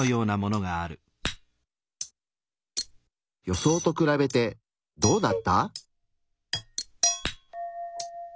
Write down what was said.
予想と比べてどうだった？